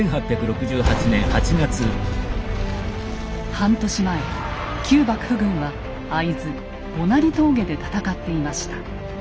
半年前旧幕府軍は会津母成峠で戦っていました。